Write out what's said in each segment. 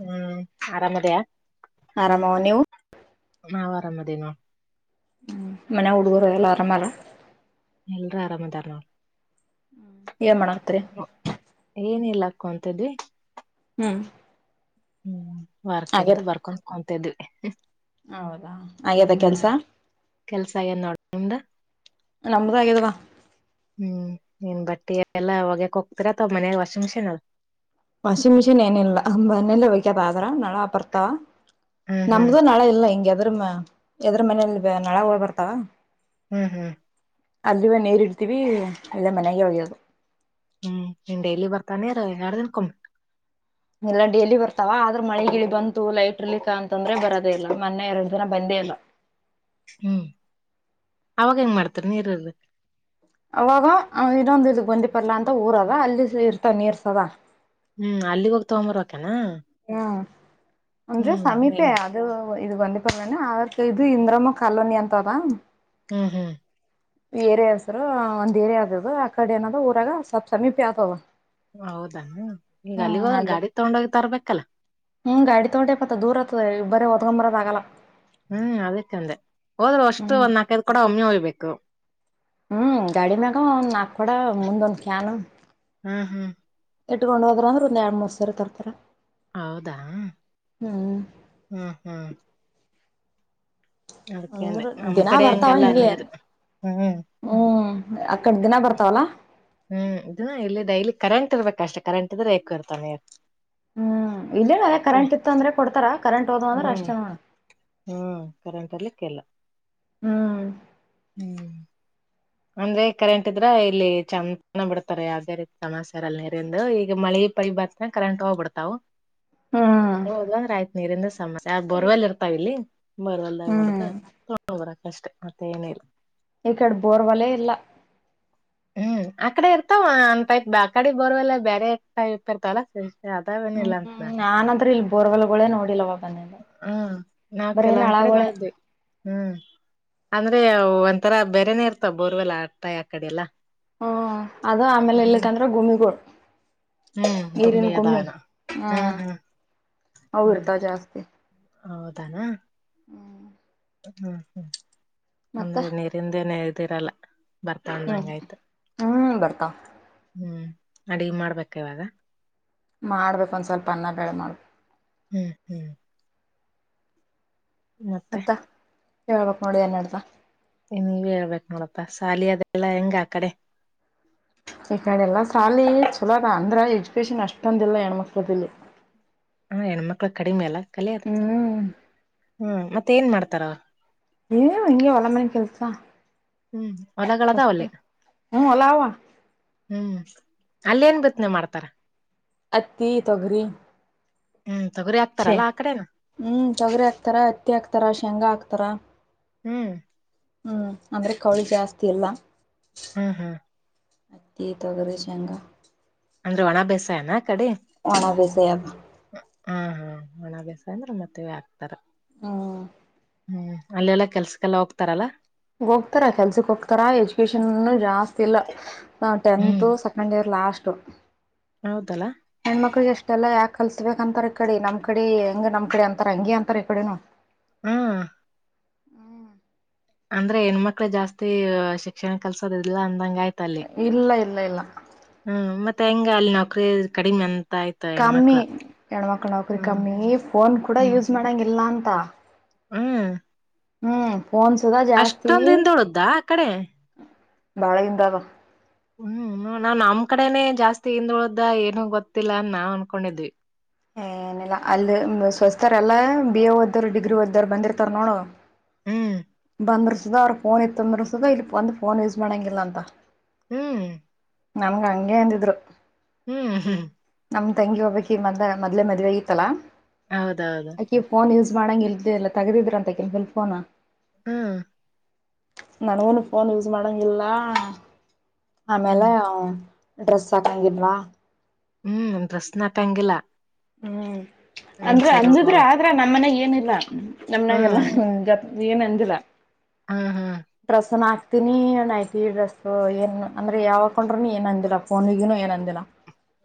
ಹ್ಮ್ ಆರಾಮ ಅದೆಯಾ? ಆರಾಮೋ ನೀವು? ಆರಾಮ್ ಅದಿವಿ ನಾವ್. ಹ್ಮ, ಮನೆಯಾಗ್ ಹುಡುಗರು ಎಲ್ಲ ಆರಾಮೆ ಅಲ್ಲ? ಎಲ್ರು ಆರಾಮ್ ಇದಾರ ನೋಡು. ಹ್ಮ್ [unintelligible] ಏನಿಲ್ಲ ಕುಂತಿದ್ವಿ ಹ್ಮ್ ಹ್ಮ್ ಆಗ್ಯದ ಬರದಕಿತ್ತ್ ಬರ್ಕೊಂಡ [unintelligible] ತದುವ [unintelligible] ಹೌದಾ, ಆಗ್ಯದ ಕೆಲ್ಸ? ಕೆಲ್ಸ ಏನ್ ನೋಡ ನಿಮ್ದ ನಮ್ದ ಆಗ್ಯದವಾ. [unintelligible] ಎಲ್ಲ ಒಗೆಕ್ ಹೋಗ್ತಿರ ಅಥವಾ ಮನಿಯಾಗ ವಾಷಿಂಗ್ ಮಿಶಿನ್ ಅದ ವಾಷಿಂಗ್ ಮಿಷಿನ್ ಏನಿಲ್ಲ, ಮನೆಲ್ಲೆ ಹಯಕ್ಯದ ಆದ್ರ [unintelligible] ನ [unintelligible] ಹಾ ಬರ್ತಾ. ಹ್ಮ್ ಹ್ಮ್ ನಮ್ದು ನಾಳೆ ಇಲ್ಲ ಹಿಂಗಗೆದ್ರ [unintelligible] [unintelligible] ಎದ್ರ ಮನೇಲಿ [unintelligible] ನಾಳ ಬರ್ತಾವ [unintelligible] ಹ್ಮ್ ಹ್ಮ್ ಆದ್ರುವೆ ನೀರ್ ಇಡೀತೀವಿ, ಇಲ್ಲ ಮನೆಯಾಗೆ ಓಗೆಯೋದು. ಹ್ಮ, ಏನ್ ಡೈಲಿ ಬರ್ತಾವ್ ನೀರು? ಇಲ್ಲ ಎರಡ್ ದಿನ್ಕೊಮ್ಮೆ? ಇಲ್ಲ, ಡೇಲಿ ಬರ್ತಾವ. ಆದ್ರೆ ಮಳೆಗಿಳಿ ಬಂತು ಲೈಟ್ ಇರ್ಲಿಕ್ಕ ಅಂತಂದ್ರೆ ಬರೋದೇ ಇಲ್ಲ. ಮೊನ್ನೆ ಎರಡ್ ದಿನ ಬಂದೇ ಇಲ್ಲ. ಹ್ಮ್, ಅವಾಗ ಹೆಂಗ್ ಮಾಡ್ತೀರ ನೀರ್ ಇಲ್ದ? ಅವಾಗ ಆ ಇದೊಂದ ಇದ ಬಂದಿ ಪರ್ಲ್ಲಾ ಅಂತ ಊರದ, ಅಲ್ಲಿ ಇರ್ತಾವ ನೀರ್ ಸದ. ಹ್ಮ್, ಅಲ್ಲಿಗೋಗ್ ತಗಂಬರಬೇಕೇನ? ಹೂಂ ಅಂದ್ರೆ ಸಮೀಪೆ ಹ್ಮ್ ಅದು ಇದು ಗೊಂದಿ ಪರ್ಲ ಅನಿ, [unintelligible] ಇದು ಇಂದ್ರಮ ಕಾಲೋನಿ ಅಂತದಾ ಹ್ಮ್ ಹ್ಮ್ ಈ ಏರಿಯ ಹೆಸ್ರು, ಒಂದ್ ಏರಿಯಾ ಆದದು ಆ ಕಡೆ ಏನದ ಊರಾಗ ಸ್ವಲ್ಪ್ ಸಮೀಪೆ ಆತದ. ಓ ಹೌದಾ, ಈಗ ಅಲ್ಲಿಗೋದರ ಗಾಡಿ ತಗೊಂಡೋಗೆ ತರ್ಬೇಕಲ್ಲ. ಹ್ಮ, ಗಾಡಿ ತಗೊಂಡೆಪತ. ದೂರ ಆತ್ದೆ ಬರೇ ಹೊತ್ಕೊಂಡ್ ಬರಕಾಗಲ್ಲ. ಹ್ಮ್, ಅದಕ್ ಅಂದೆ. ಹೋದ್ರು ಅಷ್ಟ ಒಂದ್ ನಾಲ್ಕೈದು ಕೊಡ ಒಮ್ಮೆ ಒಯ್ಬೇಕ್. ಕ್ಕ [unintelligible] ಹ್ಮ್ಮ್. ಗಾಡಿ ಮ್ಯಾಗ ಒಂದ್ ನಾಕ್ ಕೊಡ ಮುಂದೊಂದ್ ಕ್ಯಾನು ಹ್ಮ್ ಹ್ಮ್ ಇಟ್ಕೊಂಡು ಹೋದ್ರ್ ಅಂದ್ರ ಒಂದ್ ಎರ್ಡ್ ಮೂರ್ ಸರಿ ತರ್ತಾರ. ಹೌದಾ! ಹ್ಮ್ ಹ್ಮ್ ಹ್ಮ್. ಅದಕ್ಕೇನೆ ಅಂದ್ರ ನಮ್ ದಿನಾ ಕಡೆ ಬರ್ತಾವ ಹಂಗಲ್ಲ ಹಿಂಗೆ ನೀರು ಹ್ಮ್ ಹ್ಮ್ ಆಕಡೆ ದಿನ ಬರ್ತಾವಲ್ಲ ಹ್ಮ್ ದಿನ ಇಲ್ಲಿ ಡೈಲಿ ಕರೆಂಟ್ ಇರ್ಬೇಕ್ ಅಷ್ಟೇ ಕರೆಂಟ್ ಇದ್ರೆ [unintelligible] ಹ್ಮ್ ಇಲ್ಲೇನ್ ಅದೇ ಕರೆಂಟ್ ಇತ್ತು ಅಂದ್ರೆ ಕೊಡ್ತಾರ ಕರೆಂಟ್ ಹೋದ್ವು ಅಂದ್ರೆ ಹ್ಮ್ ಅಷ್ಟೇ ನೋಡ ಹ್ಮ್ ಕರೆಂಟ್ ಬರ್ಲಿಕ್ಕಿಲ್ಲ. ಹ್ಮ್ ಹ್ಮ್ಮ್. ಅಂದ್ರೆ ಕರೆಂಟ್ ಇದ್ರ ಇಲ್ಲಿ ಚಂದನ ಬಿಡ್ತಾರ ಯಾವುದೇ ರೀತಿ ಸಮಸ್ಯ ಇರಲ್ಲ ನೀರಿಂದು ಈಗ ಮಳಿ ಪಳಿ ಬತ್ತಂದ್ರೆ ಕರೆಂಟ್ ಹೋಗ್ಬಿಡ್ತಾವು. ಹ್ಮ್ ಹೌದಂದ್ರ್ ಆಯ್ತ್ ನೀರಿಂದ ಹ್ಮ್ [unintelligible] [unintelligible] ಅಷ್ಟೇ, ಮತ್ತೇನಿಲ್ಲ. ಈ ಕಡ್ ಬೋರ್ವಲೆ ಇಲ್ಲ. [unintelligible] ಹ್ಮ್ಮ್ ಅಂತ ನಾ ಹ್ಮ್ಮ್ ನಾನಂದ್ರೆ [unintelligible] ಬೋರ್ವೆಲ್ಗಳೇ ನೋಡಿಲವ [unintelligible] [unintelligible] ನಳಗಳೇ ಅಂದ್ರೆ ಒಂಥರ ಬೇರೆನೆೇ ಇರ್ತಾವ್ ಬೋರ್ವೆಲ್ಲ [unintelligible] ಆ ಕಡೆ ಎಲ್ಲಾ ಹ್ಮ ಅದು ಆಮೇಲ್ ಹ್ಮ್ ಎಲ್ಲಿಕ್ಕಂದ್ರೆ ಗುಣ್ಗೂರ್ ಹ್ಮ್ ನೀರಿನ್ ಗುಮ್ಮಿ ಅದಾನ ಹ್ಮ್ ಅವ್ ಹ್ಮ್ ಇರ್ತಾವ್ ಜಾಸ್ತಿ. ಹೌದಾನ? [unintelligible] ಮತ್ತ ಅಂದ್ರೆ ನೀರಿಂದೇನೆ ತೀರಲ್ಲ ಬರ್ತಾ ಹ್ಮ್ ಅಂದಂಗ್ ಆಯ್ತು ಹ್ಮ್ ಬರ್ತಾವ ಹ್ಮ್. ಅಡಿಗಿ ಮಾಡ್ಬೇಕ ಇವಾಗ? ಮಾಡ್ಬೇಕು ಒಂದ್ ಸ್ವಲ್ಪ ಅನ್ನ ಬೆಳೆ ಮಾಡ್ಬೇಕ್ ಹ್ಮ್ ಹ್ಮ್ ಮತ್ತೆ? ಮತ್ತ [unintelligible] ನೀವೇ ಹೇಳ್ಬೇಕ್ ನೋಡಪ್ಪಾ ಸಾಲಿ ಅದೆಲ್ಲಾ ಹೆಂಗ್ ಆ ಕಡೆ? ಈಕಡೆ ಎಲ್ಲ ಸಾಲಿ ಚಲೋ ಅದ ಅಂದ್ರ ಎಜುಕೇಶನ್ ಅಷ್ಟೊಂದಿಲ್ಲ ಹೆಣ್ಮಕ್ಳದ್ ಇಲ್ಲಿ. ಹ್ಮ್ಮ್ ಹೆಣ್ಮಕ್ಳ್ ಕಡಿಮೆ ಅಲ ಕಲಿಯದ್ ಹ್ಮ್ ಹ್ಮ ಮತ್ತ್ ಮತ್ತ ಏನ್ ಮಾಡ್ತಾರ ಏನು ಹಿಂಗೆ ಹೊಲ ಮನಿ ಕೆಲಸ ಹ್ಮ್ ಹೊಲಗಳದವಲೀ ಹ್ಮ್ ಹೊಲ ಅವ ಹ್ಮ್ಮ್ ಹತ್ತಿ ತೊಗರಿ ಹ್ಮ್ ತೊಗರಿ ಹಾಕ್ತಾರಲ್ಲಾ ಆ ಕಡೆನ ಹ್ಮ್ ತೊಗರಿ ಹಾಕ್ತಾರ ಹತ್ತಿ ಹಾಕ್ತಾರ ಶೇಂಗಾ ಹಾಕ್ತಾರ ಹ್ಮ್ ಹ್ಮ್ ಅಂದ್ರೆ ಕೌಳಿ ಜಾಸ್ತಿ ಇಲ್ಲ. ಹ್ಮ್ ಹ್ಮ್ ಹತ್ತಿ ತೊಗರಿ ಶೇಂಗಾ ಅಂದ್ರೆ ಒಣ ಬೇಸಯಾನ ಆ ಕಡಿ? ಒಣ ಬೆಸಾಯಮ ಹಾ ಹಾ ಓಣಭ್ಯಾಸಯ ಅಂದ್ರೆ ಮತ್ತಿವೆ ಹಾಕ್ತಾರ. ಹ್ಮ ಹ್ಮ್ ಅಲ್ಲೆಲ್ಲಾ ಕೆಲ್ಸಕ್ಕೆಲ್ಲ ಹೋಗ್ತಾರಲ್ಲಾ ಹೋಗ್ತಾರಾ ಕೆಲ್ಸಕ್ ಹೋಗ್ತಾರಾ ಎಜುಕೇಶನ್ನುನು ಜಾಸ್ತಿ ಇಲ್ಲ. ನಾವ್ ಟೆಂತು ಸೆಕಂಡ್ ಇಯರ್ ಲಾಸ್ಟ್. ತ್ತು ಹೌದಲಾ ದೆಲ್ಲ ಯಾಕ ಕಲ್ಸ್ಬೇಕ ಅಂತಾರ ಈ ಕಡೆ ನಮ್ ಕಡೆ ಹೆಂಗ ನಮ್ಮ ಕಡೆ ಅಂತಾರ ಹಂಗೆ ಅಂತಾರೆ ಈ ಕಡೆನು. ಹ್ಮ್ ಅಂದ್ರ ಹೆಣ್ಮಕ್ಕಳೇ ಜಾಸ್ತಿ ಶಿಕ್ಷಣ ಕಲ್ಸೋದು ಇಲ್ಲ ಆನ್ ಹಂಗಾಯ್ತಲ್ಲಿ ಇಲ್ಲ ಇಲ್ಲ ಇಲ್ಲ ಹ್ಮ ಮ ತ್ತೆ ಹೆಂಗ ಅಲ್ಲಿ ನೌಕರಿ ಕಡಿಮೆನ್ ಕಮ್ಮಿ ಹೆಣ್ಮಕ್ಳ ನೌಕರಿ ಹ್ಮ್ ಕಮ್ಮಿ ಫೋನ್ ಕೂಡ ಹ್ಮ್ ಯೂಸ್ ಮಾಡಂಗಿಲ್ಲ ಅನ್ ತ ಹ್ಮ್ ಹ್ಮ್ ಫೋನ್ ಸುದಾ ಅಷ್ಟೊಂದ್ ದಿನ ಜಾಸ್ತಿ ದೊಡ್ದಾ ಆ ಕಡೆ. ಬ್ಯಾಳ್ಗಿಂದದು ಹ್ಮ್ ನಾವ್ ನಮ್ ಕಡೆನೆ ಜಾಸ್ತಿ ಹಿಂದ್ ಉಳ್ದ ಏನು ಗೊತ್ತಿಲ್ಲ ಆನ್ ನಾವ್ ಅನ್ಕೊಂಡಿದ್ವಿ. ಹ ಏನಿಲ್ಲ ಅಲ್ಲಿ ಸ್ವಸ್ತರೆಲ್ಲ ಬಿ ಎ ಓದೋರು ಡಿಗ್ರಿ ಓದೋರು ಬಂದಿರ್ತಾರ್ ನೋಡು ಹ್ಮ್ ಬಂದಿರ್ಸದ ಅವ್ರ ಫೋನ್ ಇತ್ತಂದ್ರುರ್ಸುದ ಇಲ್ಲಿ ಬಂದು ಫೋನ್ ಯೂಸ್ ಮಾಡಂಗಿಲ್ಲ ಅಂತ. ಹ್ಮ್ ಗೆ ಅಂದಿದ್ರು ಹ್ಮ್ ಹ್ಮ್ ನಮ್ ತಂಗಿ ಒಬ್ಬಕಿಗ್ ಮದ್ ಮದ್ಲೆ ಮದ್ವೆ ಆಗಿತ್ತಲ್ಲ ಹೌದೌದು ಮಾಡಂಗ ಇಲ್ದಲ್ಲ ತಗದಿದ್ರ ಅಂತ ಕಂಪನಿ ಫೋನ. ಹ್ಮ್ ನನಗುನು ಫೋನ್ ಯೂಸ್ ಮಾಡಂಗಿಲ್ಲ ಆಮೇಲೆ ಹ್ಮ್ ಅವ್ ಡ್ರೆಸ್ ಆಕಂಗಿಲ್ಲ. ಹ್ಮ್ ಪ್ರಶ್ನ ಆಕಂಗಿಲ್ಲ ಹ್ಮ್ ಅಂದ್ರೆ ಅಂಜಿದ್ರ ಆದ್ರ ನಮ್ಮ ಮನ್ಯಾಗ್ ಏನು? ಲ್ಲ ಹ್ ಹ್ಮ್ ನಮ್ನಾಗೆಲ್ಲ ಗತ್ ನೀ ಏನ್ ಅಂದಿಲ್ಲ ಹ್ಮ್ ಹ್ಮ್ ತಿನಿಯಣ್ಣಯ್ತಿ ಈ ಡ್ರೆಸ್ಸು ಏನ್ ಅಂದ್ರೆ ಯಾವಕೊಂಡ್ರೂನು ಏನ್ ಅಂದಿಲ್ಲ ಫೋನಿಗನು ಏನ್ ಅಂದಿಲ್ಲ.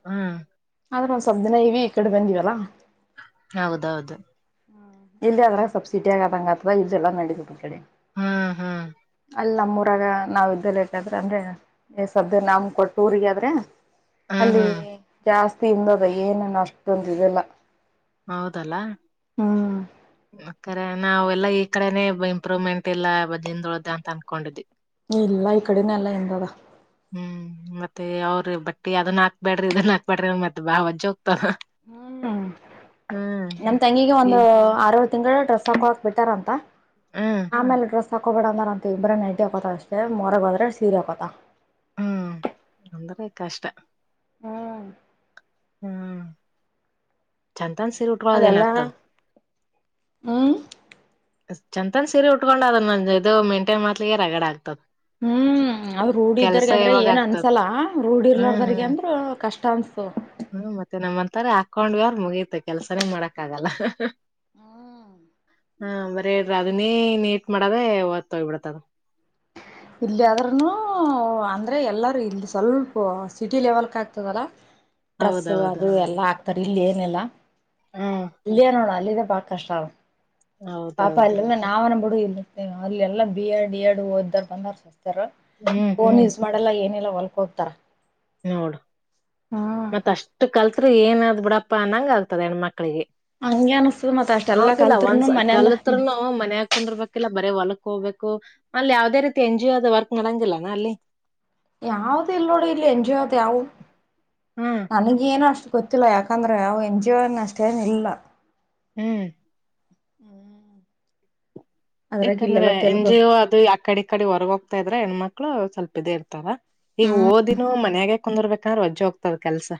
ಹ್ಮ ಆದ್ರ ಒಂದ್ ಸಲ್ಪ್ ದಿನ ಹೆವಿ ಕಡೆ ಬಂದಿವಲ್ಲಾ ಹೌದೌದು ಹ್ಮ ಇಲ್ಲಿ ಆದ್ರ ಸಬ್ಸಿಡಿ ಆಗದಂಗ ಅಥವಾ ಇಲ್ಲಯಲ್ಲ ನಡಿತದ್ ಆ ಕಡೆ ಹ್ ಹ್ಮ್ ಅಲ್ಲಿ ನಮ್ಮೂರಾಗ ನಾವ್ ಇದ್ದ ಲದ್ರ ಅಂದ್ರೆ ಎ ಸ್ವಪ್ ದಿನ ನಮ್ ಕೊಟ್ ಊರಿಗೆ ಆದ್ರೆ ಹ್ಮ್ ಅಲ್ಲಿ ಹ್ಮ್ ಜಾಸ್ ತಿಂದೆ ಬೆಳ್ಗೆ ನಾನಷ್ಟ್ ಒಂದ್ ಇದಿಲ್ಲ ಹೌದಲ್ಲ ರೆ ನಾವೆಲ್ಲಾ ಈ ಕಡೆನೆ ಇಂಪ್ರೂವ್ಮೆಂಟ್ ಇಲ್ಲ ಬದ್ದೀನ್ ನೊಳ್ದ ಅಂತ ಅನ್ಕೊಂಡಿದ್ವಿ. ಇಲ್ಲ ಈ ಕಡೆನೆ ಎಲ್ಲ ಹೆಂಗರ ಮ ಅವ್ರಿ ಬಟ್ಟಿ ಅದನ್ ಹಾಕ್ಬ್ಯಾಡ್ರಿ ಇದನ್ನ ಹಾಕ್ಬೇಡ್ರಿ ಮತ್ತ ಬಾ ವಜ್ಜ ಹೋಗ್ತದ. ಹ್ಮ [unintelligible] ನಮ ತಂಗಿಗೆ ಈ ಒಂದು ಆರೆಳ್ ತಿಂಗಳು ಡ್ರೆಸ್ ಹಾಕೊಳಕ್ ಬಿಟ್ಟಾರನ್ ತ್ತ ಹ್ಮ್ ಆಮೇಲ್ ಡ್ರೆಸ್ ತಕೋಬೇಡ ಅಂದರಂತ [unintelligible] ನೈಟಿ ಹಾಕೊತಾಳ್ ಅಷ್ಟೇ ಮಾಲಿಗೋದ್ರೆ ಸೀರೆ ಹಾಕೋತಾಳ. ಹ್ಮ್ ಅಂದ್ರೆ ಕಷ್ಟ. ಹ್ಮ ಹ್ಮ್ ಚನ್ ಅದಲ್ಲ ಹ್ಮ ಚಂತನ್ ಸೀರೆ ಉಟ್ಕೊಂಡ್ ಅದ ನನ್ ಇದು ಮೈಂಟೈನ್ ಮಾಡ್ಲಿಕ್ಕೆ ರಗಡ ಆಗ್ತದ್. ಹ್ಮ್ ಅವ್ರು ರೂಡಿದರ್ಗೆ ಅದ್ರೆ ಯಾವಾಗ ಏನ್ ಆಗ್ತದ ಅನ್ಸಲ್ಲ ರೂಡಿರ್ಲದರ್ಗೆ ಅಂದ್ರ ಕಷ್ಟ ಅನ್ಸ್ತಾದಿ ಹ್ಮ ಮತ್ತೆ ನಮ್ಮಂತಾರೆ ಹಾಕೊಂಡ್ವಿ ಅಂದ್ರ ಮುಗೀತ ಕೆಲ್ಸನೇ ಮಾಡಕ್ ಆಗಲ್ಲ ಹಾ ಬರ ಅದನೇ ನೀಟ್ ಮಾಡದೇ ಓತ್ತೋಗ್ಬಿಡತದ ಇಲ್ಲಿ ಆದ್ರನು ಅಂದ್ರೆ ಎಲ್ಲಾರೂ ಇಲ್ಲಿ ಸ್ವಲ್ಪ ಸಿಟಿ ಲೆವೆಲ್ ಕ ಆಗ್ತದಲ್ಲ ಡ್ರೆಸ್ಸ್ಸ ಹೌದೌದು ಅದು ಎಲ್ಲಾ ಆತ ತರ್ ಇಲ್ಲಿ ಏನೆಲ್ಲ ಹ್ಮ್ ಅಲ್ಲಿಯ ನೋಡ ಅಲ್ಲಿ ಬಲ್ ಕಷ್ಟಾಅದ ಪಾಪಾ ಹೌದೌದು ಇಲ್ಲಲ್ಲ ನಾವು ನಮ್ ಹುಡುಗ ಅಲ್ಲೆಲ್ಲಾ ಬಿ ಎಡ್ ಡಿ ಎಡ್ ಓದ್ದರ್. ಪಂದ್ರ. ಹ್ಮ್ ಫೋನ್ ಹ್ಮ್ ಯೂಸ್ ಮಾಡಲ್ಲ ಏನ ಎಲ್ಲ ಹೊಲ್ಕ ಹೋಗ್ತಾರ ನೋಡು ಹ್ಮ್ ಮತ್ತ ಅಷ್ಟು ಕಲ್ಸ ಏನಾದ್ ಬಿಡಪ್ಪ ಅನ್ನಂಗ ಆಗ್ತದೆ ಹೆಣ್ಣ್ಮ. ಮಕ್ಕಳಿಗೆ ಹಂಗೆ ಅನಸ್ತದ ಮತ್ ಅಷ್ಟೆಲ್ಲಾ ಹೌದಿಲ್ಲ ಕಲ್ತ್ರುನು ಒಂದಸ ಮನ್ಯಂದ ಕಲ್ಲತ್ರನು ಮನೆ ಕುಂದರ್ಬೇಕಿಲ್ಲ ಬರ ಹೊಲಕ್ ಹೋಬೇಕು ಅಲ್ಲಿ ಯಾವದೇ ರೀತಿ ಎನ್ ಜಿ ಒದ ವರ್ಕ್ನಡಂಗಿಲ್ಲನಾ ಅಲ್ಲಿ ಯಾವ್ದ ಇಲ್ ನೋಡು ಇಲ್ಲಿ ಎನ್ ಜಿ ಅದು ಯಾವವು ಹ್ಮ್ ನನಗ ಏನು ಅಷ್ಟು ಗೊತ್ತಿಲ್ಲ ಯಾಕಂದ್ರೆ ಯಾವ ಎನ್ ಜಿ ನ್ ಅಷ್ಟೇನ್ ಇಲ್ಲ ಹ್ಮ್. [inaudible] ಅದ್ರಾಗ ಯಾಕಂದ್ರೆ ಇಲ್ಲೆಲ್ಲ ಎನ್ ತೆಲುಗು ಜಿ ಅದು ಆಕಡಿ ಕಡೆ ಹೊರ್ಗೋಗ್ತಾ ಇದ್ರ ಹೆಣ್ಮಕ್ಳು ಮಕ್ಕಳು ಸ್ವಲ್ಪ ಇದೇ ಇರ್ತಾರ ಈಗ ಓದಿನನು ಮನ್ಯಾಗೆ ಕುಂದರ್ಬೇಕಂದ್ರೆ ರಜ್ಜೆ ಹೋಗ್ತಾರ ಕೆಲ್ಸ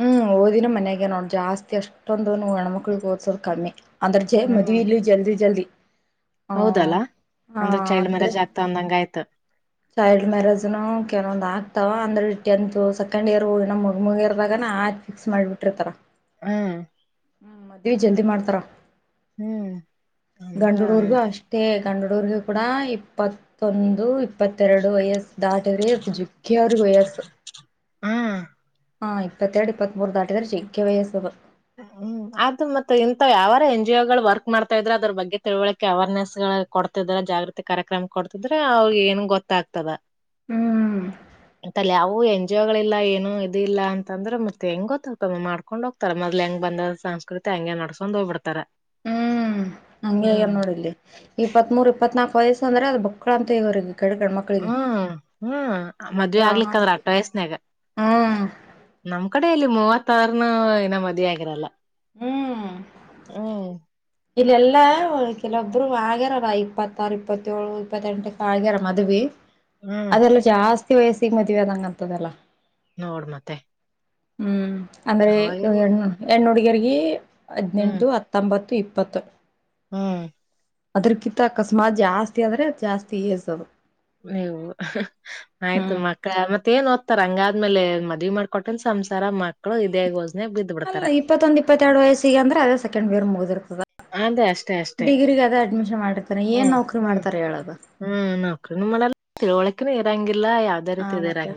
ಹ್ಮ್ ಓದಿನ ಮನ್ಯಾಗ ನೋಡ್ ಜಾಸ್ತಿ ಅಷ್ಟೊಂದು ಹೆಣ್ಮಕ್ಳಗ್ ಓದ್ಸೋದು ಕಮ್ಮಿ ಅದ್ರ ಜೆ ಮದವಿ ಹ್ಮ್ ಇಲ್ಲಿ ಜಲ್ದಿ ಜಲ್ದಿ ಆ ಹೌದಲ್ಲ ಹ ಚೈಲ್ಡ್ ಅಂದ್ರೆ ಮ್ಯಾರೇಜ್ ಆಗ್ತಾ ಅಂದಂಗ ಆಯ್ತು ಚೈಲ್ಡ್ ಮ್ಯಾರೇಜ್ನು ಕೆಲವೊಂದ್ ಆಗ್ತವ ಅಂದ್ರೆ ಟೆಂತ್ ಸೆಕೆಂಡ್ ಇಯರ್ ಮುಗ ಮುಗಿರ್ದಾಗ ಆಯ್ತ ಫಿಕ್ಸ್ ಮಾಡ್ಬಿಟ್ಟ್ರರ್ತಾರ ಹಮ್. ಹ್ಮ್ ಮದ್ವೆ ಜಲ್ದಿ ಮಾಡ್ತಾರ ಹ್ಮ್ ಎಂತ ಅದೇ ತಂಡಡೂರಿಗೆ ಕೂಡ ಇಪ್ಪತ್ತೊಂದು ಇಪ್ಪತ್ತೆರಡು ವಯಸ್ಸು- ಡಾಟರ ಜಕ್ಕಿಯ ಅವ್ರ ವಯಾಸು ಹ್ಮ್ ಹಾಂ ಇಪ್ಪತ್ತರ ಇಪ್ಪತೆರದು ಇಪತ್ತಮೂರು ದಾಟಿ ತಾರೆ ಜೇಗ್ಗೆ ವಯಸ್ ಅದು ಹ್ಮ್ ಅ ಮತ್ತೆ ಇಂತ ಯಾವಾರ ಎನ್ ಜಿ ಗಳು ವರ್ಕ್ ಮಾಡ್ತಾ ಇದ್ರೆ ಅದ್ರ ಬಗ್ಗೆ ತಿಳ್ವಳಕೆ ಅವೇರ್ನೆಸ್ ಕೊಡ್ತಿದಾರ ಜಾಗೃತಿ ಕಾರ್ಯಕ್ರಮ ಕೊಡ್ತಿದ್ರೆ ಅವ್ರ ಏನ್ ಗೊತ್ತಾಗ್ತದ ಹ್ಮ್ ತಲ್ಲಿ ಓ ಎನ್ ಜಿ ಗಳ ಇಲ್ಲ ಏನು ಇಲ್ಲ ಅಂದ್ರೆ ಮತ್ತೆ ಹೆಂಗ ಗೊತ್ತಾಗ್ತ ಮಾಡ್ಕೊಂಡ್ ಹೋಗ್ತಾರ ಮ. ಇಲ್ ಹೆಂಗ್ ಬಂದ ಸಂಸ್ಕೃತಿ ಹಂಗಗೆ ನಡ್ಸ್ಕೊಂಡ್ ಹೋಗ್ಬಿಡ್ತಾರ ಹ್ಮ್ ಹಂಗೆ ಹ್ಮ್ ಎನ್ ನೋಡಿಲ್ಲಿ ಇಪ್ಪತ್ತಮೂರು ಇಪ್ಪತ್ನಾಕು ವಯಸ್ಸ ಅಂದ್ರೆ ಅದು ಬಕ್ಳ ಅಂತ ಇವ್ರಿಗೆ ಹ್ಮ ಹ್ಮ್ ಮದ್ವೆ ಆಗ್ಲಿಕ್ಕಂದ್ರೆ ಜಾಸ್ತಿ ಅಟ್ ವಯಸ್ನಾಗ ಹ್ಮ್ ನಮ್ ಕಡೆ ಇಲ್ಲಿ ಮೂವತ್ತು ತಾರ್ನು ಇನ ಮದಿ ಆಗಿರಲ್ಲ- ಹ್ಮ್ ಹ್ಮ್. ಇಲ್ಲೆಲ್ಲಾ ಕೆಲವೊಬ್ರು ಆಗ್ಯಾರಾರ ಇಪ್ಪತ್ತಾರು ಇಪ್ಪತ್ತಏಳು ಇಪ್ಪತ್ತೆಂಟಕ್ ಆಗ್ಯಾರ ಮದ್ವಿ ಹ್ಮ್ ಅದೆಲ್ಲ ಜಾಸ್ತಿ ವಯಸ್ಸಿಗೆ ಮದ್ವೆ ಅದಂಗ ಅಂತದಲ್ಲ ನೋಡ್ ಮತ್ತೆ ಹ್ಮ್. ಅಂದ್ರ ಅವಾಗೆಲ್ಲಿ ಎಣ್ಣೋಡಿ ಈಗರಿಗೆ ಹ್ಮ್ ಹದಿನೆಂಟು ಹತ್ತೊಂಬತ್ತು ಇಪ್ಪ ಪತ್ತು. ಹ್ಮ್. ಅದ್ರಕಿಂತ ಅಕಸ್ಮಾತ್ ಜಾಸ್ತಿ ಆದ್ರೆ ಜಾಸ್ತಿ ಏಸದು ನೀವು ಆಯ್ತು ಮಕ್ಕಳ ಮತ್ತೆ ಏನ್ ಓದ್ತಾರ ಹಂಗಾದ್ಮೇಲೆ ಮದ ಮಾಡ್ಕೊಟ್ಟನ್ ಸಂಸಾರ ಮಾಡ ಅಲ್ಲ ಇಪ್ಪತ್ತೊಂದ್ ಇಪ್ಪತ್ತೆರಡು ವಯಸ್ಸಿಗೆ ಅಂದ್ರೆ ಅದೇ ಸೆಕಂಡ್ ಬೇರ್ ಮುಗ್ದಿರ್ತದ ಅದೇ ಅಷ್ಟೇ ಅಷ್ಟೇ ಡಿಗ್ರಿಗಾದ ಅಡ್ಮಿಷನ್ ಮಾಡಿರ್ತಾರೆ ಏನ್ ಹ್ಮ್ ನೌಕರಿ ಮಾಡ್ತಾರೆ ಹೇಳದು ತಿಳ ಒಲಕಿ ಹ ಮತ್ತೆ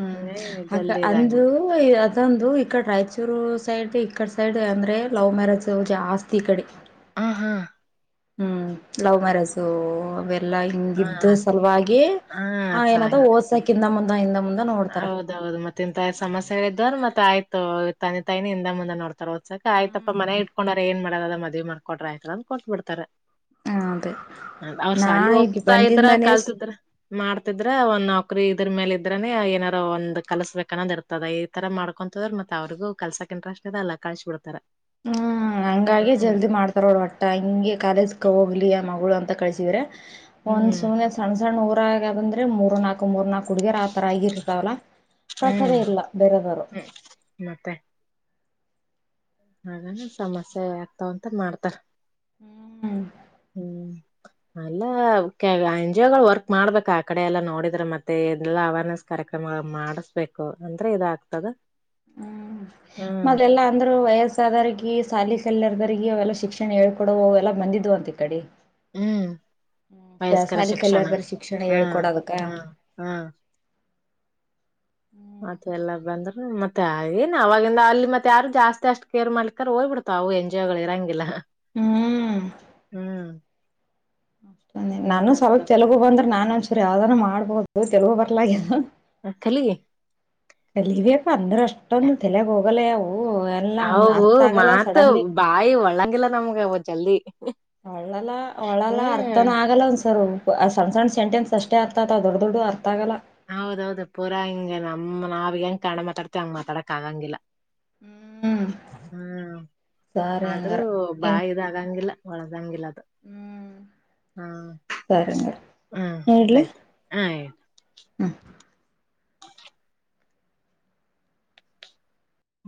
ಹ್ಮ್ ಹಿಂಗಾಗಿ ಹಾಗ ಜಲ್ದಿ ಅಂದು ಇದಾಗ್ಬಿಡು ಅದೊಂದು ಈ ಕಡೆ ರಾಯಚೂರು ಸೈಡ್ ಈ ಕಡೆ ಸೈಡ್ ಅಂದರೆ ಲವ್ ಮ್ಯಾರೇಜ್ ಜಾಸ್ತಿ ಈ ಕಡೆ ಹ ಹಾ. ಹ್ಮ್ ಲವ್ ಮ್ಯಾರೇಜ್ ಎಲ್ಲಾ ಹಿಂಗ ಹಾ ಇದ್ದ ಸಲುವಾಗಿ ಹಾ ಆ ಅದ್ ಏನಾದ ಸಾಂಗ್ ಓಸಕಿಂತ [unintelligible] ಹೌದೌದು ಮತ್ತೆ ಇಂತ ಸಮಸ್ಯೆಗಳ ಇದರ್ ಮತ್ತತ್ ಆಯ್ತು ತಿ ತಾಯನಿ ಹಿಂದ ಮುಂದೆ ನೋಡ್ತಾರೆ ಒದ್ಸಕ ಆಯ್ತಪ್ಪ ಮನೆ ಇಟ್ಕೊಂಡ್ರ ಏನ್ ಮಾಡದ ಮದ್ ಮಾಡಕೊಂಡ್ರ ಆಯ್ತ ಅಂತ ಕೊಟ್ಟಟ್ಬ ಬಿಡ್ತಾರ ಹ ಅದೇ ಅವ್ರ ನಾ ಸಾಲ ಇಲ್ಲಿ ಹೋಗ್ತಾ ಇದ್ರ ಬಂದಿಂದಾನೇ ಕಲ್ತಿದ್ರ ಮಾಡ್ತಿದ್ರ ಒನ್ ಇದ್ರ ಮೇಲೆ ಇದ್ರ ಏನಾರೋ ಒಂದ್ ಕಲ್ಸ್ಬೇಕ ಅನ್ನಂದ್ ಇರ್ತದ ಈ ತರ ಮಾಡ್ಕೊಂತದ್ರ ಮತ್ತತ್ ಅವ್ರಗ ಕಲ್ಸಕ್ಕೆ ಇಂಟ್ರೆಸ್ಟ್ ಇದೆ ಅಲ್ಲ ಕಳ್ಸಿ ಬಿಡ್ತಾರ ಹ್ಮ್ ಹಂಗಾಗೆ ಹ್ಮ್ ಜಲ್ದಿ ಮಾಡ್ತಾರೋಳ ಒಟ್ಟ ಹಂಗೆ ಕಾಲೇಜ್ಗೆ ಹೋಗ್ಲಿ ಆ ಮಗಳು ಅಂತ. ಕಳಿಸಿದ್ರೆ ಒಂದ್ ಹ್ಮ್ ಸುಮನೆ ಸಣ್ಣ ಸಣ್ಣ [unintelligible] ಮೂರು ನಾಕು ಮೂರು ನಾಕು [unintelligible] [unintelligible] ಆಗಿರ್ತಾವಲ್ಲ ಹ್ಮ್ ಕಳ್ಸದೇ ಇಲ್ಲ ಬೇರೆದವರು ಹ್ಮ್ ಮತ್ತೆ ಹಾಗಾನ ಸಮಸ್ಯೆ ಆಗ್ತಾವ ಅಂತ ಮಾಡ್ತಾರ ಹ್ಮ್ ಹ್ಮ್ ಎಲ್ಲ ಎನ್ ಜಿ ಗಳು ವರ್ಕ್ ಮಾಡ್ಬೇಕ ಆ ಕಡೆ ಎಲ್ಲಾ ನೋಡಿದ್ರೆ ಮತ್ತೆ ಇದೆಲ್ಲಾ ಅವೇರ್ನೆಸ್ ಕಾರ್ಯಕ್ರಮ ಮಾಡಿಸಬೇಕು ಅಂದ್ರೆ ಇದಾಗಗ್ತದ ಹ್ಮ್ ಮೊದಲೆಲ್ಲ ಅಂದ್ರು ವಯಸ್ಸಾದರ್ಗ ಸಾಲಿ [unintelligible] ಅವೆಲ್ಲ ಶಿಕ್ಷಣ ಹೇಳ್ಕೊಡೋ ಅವೆಲ್ಲ ಬಂದ್ವು ಅಂತ ಈ ಕಡೆ ಹ್ಮ್ ವಯಸ್ಕರ ಶಿಕ್ಷಣ ರಾಸಾಯನಿಕಲ ಶಿಕ್ಷಣ ಹ್ಮ್ ಹೇಳ್ಕೊಡದಕ್ಕ ಹ್ಮ್ ಮತ್ತೆ ಎಲ್ಲ ಬಂದ್ರರು ಮತ್ತೆ ಅವಾಗೆಲ್ಲ ಅಲ್ಲಿ ಮತ್ತೆ ಯಾರು ಜಾಸ್ತಿ ಅಷ್ಟ್ ಕೇರ್ ಮಾಡ್ಲಿಕಾರ ಹೋಗಯ್ಬಿಡ್ತಾವ ಅವು ಎನ್ ಜಿ ಓ ಗಳು ಇರಂಗಿಲ್ಲ ಹ್ಮ್ ಅಷ್ಟ ಹಂಗ ನಾನು ಸ್ವಲ್ಪ ಆಗ್ತದ ತೆಲುಗು ಬಂದ್ರೆ ನಾನು ಸರ್ ಯಾವ್ದಾರ ಮಾಡ್ಬೋದು ತೆಲುಗು ಬರಲ್ಲಾಗ್ಯದ ಹ ಕಲಿ ಅಂದ್ರೆ ಅಷ್ಟೊಂದು ತೆಲೆಗ್ ಹೋಗಲ್ಲ ಎಲ್ಲ ಒಂದ್ ಅವು ಅರ್ಥ ಆಗಲ್ಲ ಮಾತು ಸಡನ್ಲಿ ಬಾಯಿ ಒಳಂಗಿಲ್ಲ ನಮ್ಗೆ ಅವು ಜಲ್ದಿ ಒಳ್ಳಲ್ಲ ಒಳ್ಳಲ್ಲ ಹ್ಮ್ ಅರ್ಥನು ಆಗಲ್ಲ ಒಂದುಸಲ ಆ ಸಣ್ಣಣ್ಣ ಸೆಂಟೆನ್ಸ್ ಅಷ್ಟೇ ಅರ್ಥಾಥವ ದೊಡ್ಡ ದೊಡ್ಡವು ಅರ್ಥಗಲ್ಲ ಹೌದೌದು ಪೂರಾ ಹಿಂಗಗೆ ನಮ್ಮ್ ನಾವ ಹೆಂಗ ಕನ್ನಡ ಮಾತಾಡ್ತಿ ಹಂಗ ಮಾತಾಡಕ್ ಆಗಂಗಿಲ್ಲ ಹ್ಮ್ ಸರಿ ಆದ್ರೂ ಹಂಗಾರ ಬಾಳದಾಗೆಂಗಿಲ್ಲ ಒಳದಂಗಿಲ್ಲ ಹ್ಮ್ ಹಾ ಸರಿ ಹಂಗಾರ ಹ್ಮ ಆಯ್ತು ಹ ಆಯ್ತು ಹ್ಮ್ [inaudible]